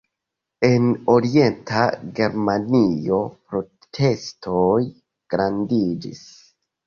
En orienta Germanio protestoj grandiĝis.